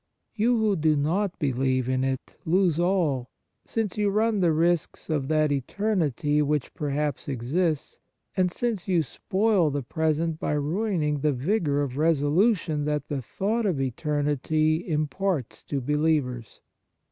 You who do not believe in it lose all, since you run the risks of that eternity which perhaps exists, and since you spoil the present by ruining the vigour of resolution that the thought of eternity imparts to believers.